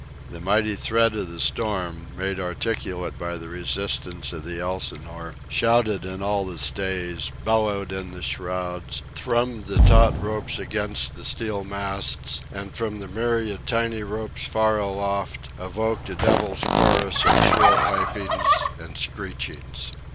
The mighty threat of the storm, made articulate by the resistance of the Elsinore, shouted in all the stays, bellowed in the shrouds, thrummed the taut ropes against the steel masts, and from the myriad tiny ropes far aloft evoked a devil's chorus of shrill pipings and screechings.